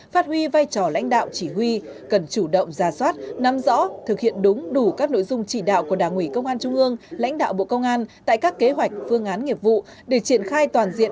phát huy vai trò lãnh đạo chỉ huy cần chủ động ra soát nắm rõ thực hiện đúng đủ các nội dung chỉ đạo của đảng ủy công an trung ương